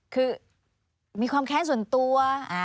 คือมีความแค้นส่วนตัว